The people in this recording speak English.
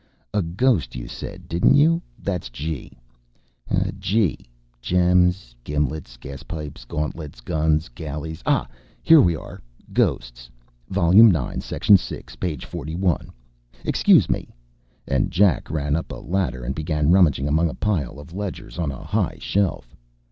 "A ghost you said, didn't you? That's G. G gems gimlets gaspipes gauntlets guns galleys. Ah, here we are. Ghosts. Volume nine, section six, page forty one. Excuse me!" And Jack ran up a ladder and began rummaging among a pile of ledgers on a high shelf.